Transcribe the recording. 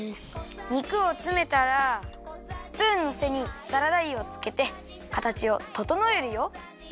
肉をつめたらスプーンのせにサラダ油をつけてかたちをととのえるよ。